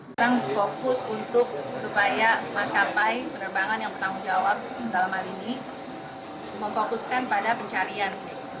kita fokus untuk supaya maskapai penerbangan yang bertanggung jawab dalam hal ini memfokuskan pada pencarian